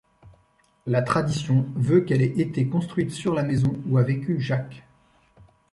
La tradition veut qu'elle ait été construite sur la maison où a vécu Jacques.